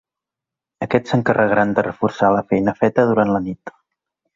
Aquests s’encarregaran de reforçar la feina feta durant la nit.